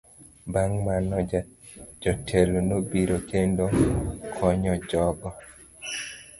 Bang' mano, jotelo nobiro kendo konyo jogo.